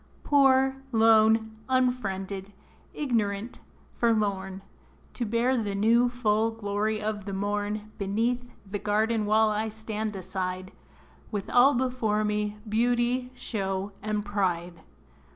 Poor, lone, unfriended, ignorant, forlorn, To bear the new, full glory of the morn, Beneath the garden wall I stand aside, With all before me, beauty, show, and pride.